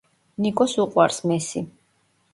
ნიკოს უყვარს მესი